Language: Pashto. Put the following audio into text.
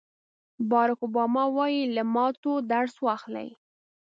باراک اوباما وایي له ماتو درس واخلئ.